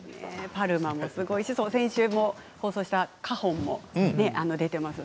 パルマもすごいし先週も放送したカホンも出ています。